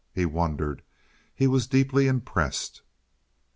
He wondered. He was deeply impressed.